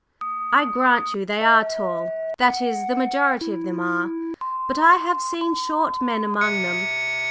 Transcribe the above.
"I grant you they are tall. That is, the majority of them are. But I have seen short men among them.